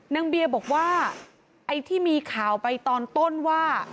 นางเบียบอกว่าไอ้ที่มีข่าวไปตอนต้นว่า